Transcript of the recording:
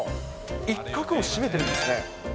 一角を占めているんですね。